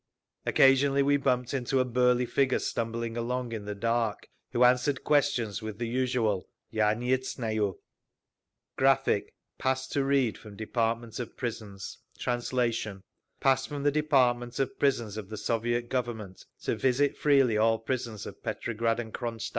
Occasionally we bumped into a burly figure stumbling along in the dark, who answered questions with the usual, "Ya nieznayu." "God Save the Tsar." [Graphic, page 166: Pass to Reed from Department of Prisons translation follows] Pass from the Department of Prisons of the Soviet Government to visit freely all prisons of Petrograd and Cronstadt.